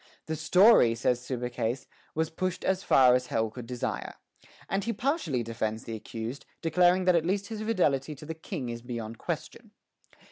"The story," says Subercase, "was pushed as far as hell could desire;" and he partially defends the accused, declaring that at least his fidelity to the King is beyond question.